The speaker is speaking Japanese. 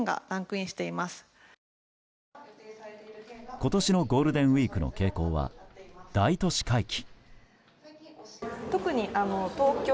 今年のゴールデンウィークの傾向は大都市回帰。